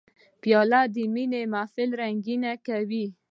پیاله د مینې محفل رنګینوي.